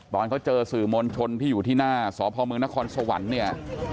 ตอนเขาเจอสื่อมวลชนที่อยู่ที่หน้าสพมนครสวรรค์เนี่ย